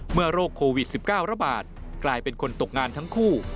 เมื่อโรคโควิดสิบเก้าระบาทกลายเป็นคนตกงานทั้งคู่